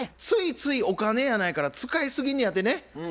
ついついお金やないから使いすぎんのやてね。